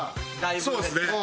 そうですね。